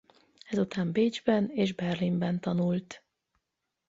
Ezután Bécsben és Berlinben tanult.